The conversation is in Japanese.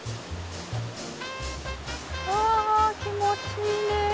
あ気持ちいいね。